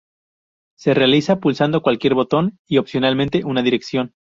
Se realiza pulsando cualquier botón y opcionalmente una dirección.